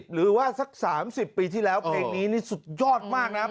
หรือว่าสัก๓๐ปีที่แล้วเพลงนี้นี่สุดยอดมากนะครับ